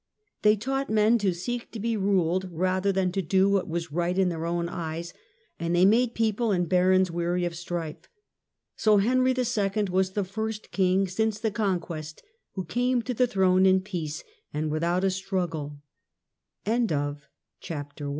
They taught men to seek to be ruled rather than to do what was right in their own eyes, and they made people and barons weary of strife. So Henry II. was the first king since the Con quest who came to the throne in peace and without a struggle. CH